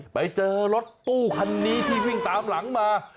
ไปเจอรถตู้คันนี้ที่วิ่งตามหลังมา